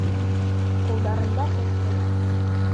Ҡулдарында сәскәләр.